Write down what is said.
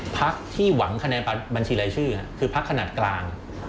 พักที่หวังคะแนนบัญชีรายชื่อคือพักขนาดกลาง